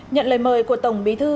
nhận lời mời của tổng bí thư